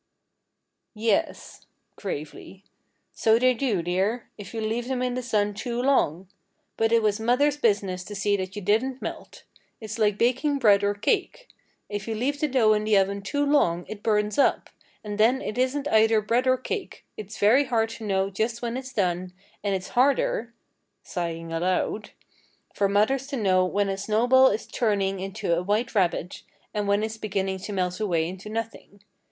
"Yes," gravely, "so they do, dear, if you leave them in the sun too long. But it was mother's business to see that you didn't melt. It's like baking bread or cake. If you leave the dough in the oven too long it burns up, and then it isn't either bread or cake. It's very hard to know just when it's done, and it's harder" sighing aloud "for mothers to know just when a snowball is turning into a white rabbit, and when it's beginning to melt away into nothing.